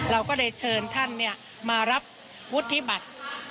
เราก็ได้เชิญท่านเนี่ยมารับวุฒิบัตร